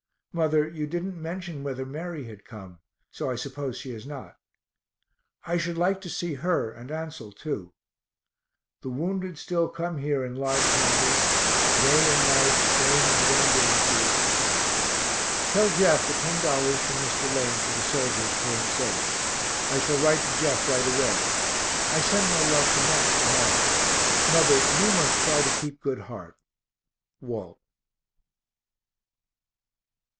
Mother, you didn't mention whether Mary had come, so I suppose she has not. I should like to see her and Ansel too. The wounded still come here in large numbers day and night trains of ambulances. Tell Jeff the $10 from Mr. Lane for the soldiers came safe. I shall write to Jeff right away. I send my love to Mat and all. Mother, you must try to keep good heart. WALT.